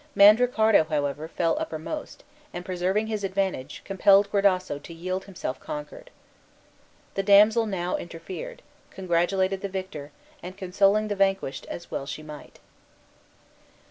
Mandricardo, however, fell uppermost, and, preserving his advantage, compelled Gradasso to yield himself conquered. The damsel now interfered, congratulating the victor, and consoling the vanquished as well as she might.